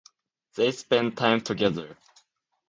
They spend time together.